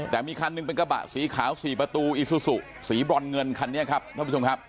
แต่มีคันหนึ่งเป็นกระบะสีขาว๔ประตูอีซูซูสีบรอนเงินคันนี้ครับท่านผู้ชมครับ